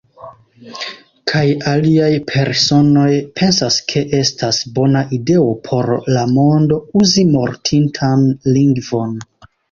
Kaj aliaj personoj pensas ke estas bona ideo por la mondo, uzi mortintan lingvon.